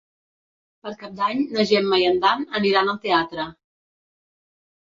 Per Cap d'Any na Gemma i en Dan aniran al teatre.